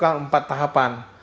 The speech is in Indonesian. kita lakukan empat tahapan